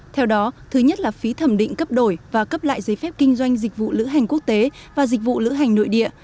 theo đó thứ nhất là phí thẩm định cấp đổi và cấp lại giấy phép kinh doanh dịch vụ lữ hành quốc tế và dịch vụ lữ hành nội địa